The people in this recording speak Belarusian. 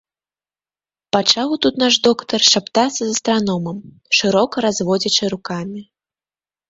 Пачаў тут наш доктар шаптацца з астраномам, шырока разводзячы рукамі.